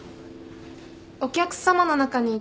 お客さまの中に。